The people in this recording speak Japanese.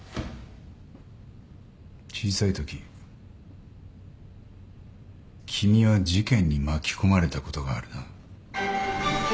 小さいとき君は事件に巻き込まれたことがあるな。